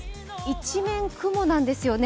一面雲なんですよね。